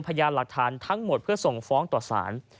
พยานหลักฐานทั้งหมดเพื่อส่งฟ้องต่อสาร